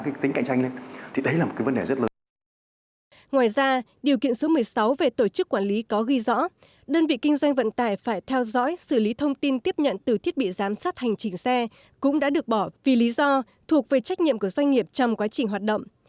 khi cơ quan quản lý đẩy trách nhiệm về việc doanh nghiệp đơn vị kinh doanh vận tài phải theo dõi xử lý thông tin tiếp nhận từ thiết bị giám sát hành trình xe cũng đã được bỏ vì lý do thuộc về trách nhiệm của doanh nghiệp trong quá trình hoạt động